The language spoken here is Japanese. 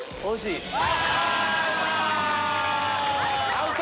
アウト！